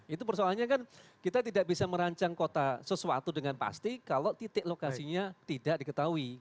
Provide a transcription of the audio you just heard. itu persoalannya kan kita tidak bisa merancang kota sesuatu dengan pasti kalau titik lokasinya tidak diketahui